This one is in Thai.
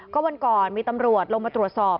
ก็วันก่อนมีตำรวจลงมาตรวจสอบ